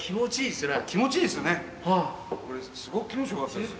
すごく気持ちよかったです。